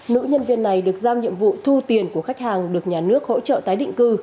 nữ nhân viên này được giao nhiệm vụ thu tiền của khách hàng được nhà nước hỗ trợ tái định cư